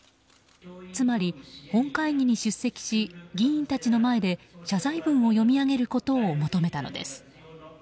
つまり、本会議に出席し議員たちの前で謝罪文を読み上げることを求めたのです。